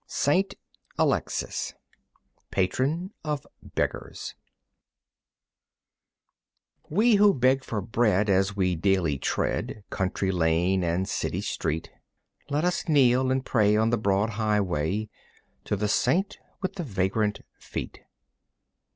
St. Alexis Patron of Beggars We who beg for bread as we daily tread Country lane and city street, Let us kneel and pray on the broad highway To the saint with the vagrant feet.